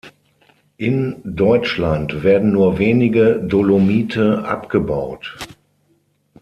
In Deutschland werden nur wenige Dolomite abgebaut.